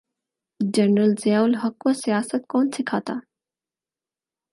General Zia الحق کو سیاست کون سکھاتا۔